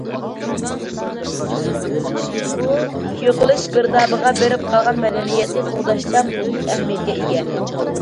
بۇ يوقىلىش گىردابىغا بېرىپ قالغان مەدەنىيەتنى قوغداشتا مۇھىم ئەھمىيەتكە ئىگە.